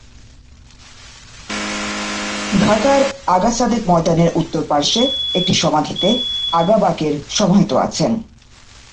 ঢাকার আগা সাদেক ময়দানের উত্তর পার্শ্বে একটি সমাধিতে আগা বাকের সমাহিত আছেন।